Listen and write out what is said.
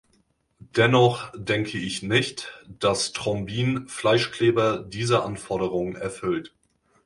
Dennoch denke ich nicht, dass Thrombin "Fleischkleber" diese Anforderung erfüllt.